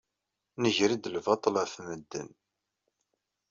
Nger-d lbaṭel ɣef medden.